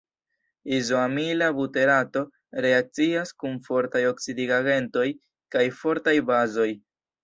Izoamila buterato reakcias kun fortaj oksidigagentoj kaj fortaj bazoj.